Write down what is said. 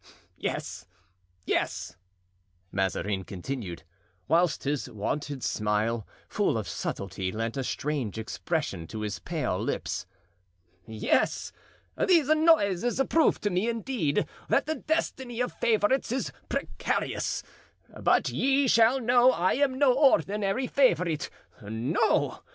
"Yes, yes," Mazarin continued, whilst his wonted smile, full of subtlety, lent a strange expression to his pale lips; "yes, these noises prove to me, indeed, that the destiny of favorites is precarious; but ye shall know I am no ordinary favorite. No!